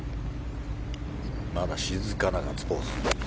まだ静かなガッツポーズ。